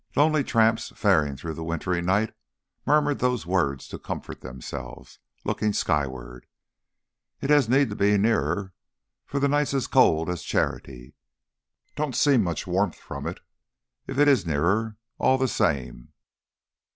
Lonely tramps faring through the wintry night murmured those words to comfort themselves looking skyward. "It has need to be nearer, for the night's as cold as charity. Don't seem much warmth from it if it is nearer, all the same."